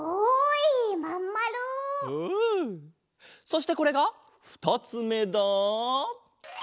そしてこれがふたつめだ！